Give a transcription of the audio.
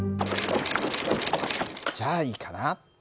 じゃあいいかな。